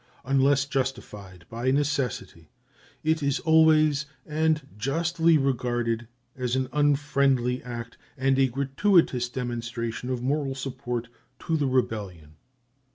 Unless justified by necessity, it is always, and justly, regarded as an unfriendly act and a gratuitous demonstration of moral support to the rebellion.